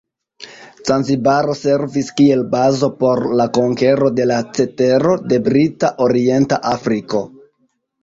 Zanzibaro servis kiel bazo por la konkero de la cetero de Brita Orienta Afriko.